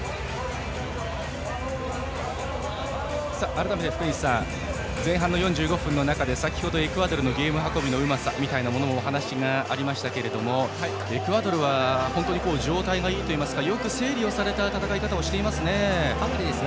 改めて、福西さん前半の４５分の中で先程、エクアドルのゲーム運びのうまさみたいなものもお話がありましたけれどもエクアドルは本当に状態がいいといいますかよく整理をされた戦い方をしていますね。